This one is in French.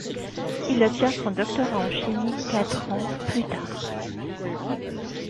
Il obtient son doctorat en chimie quatre ans plus tard.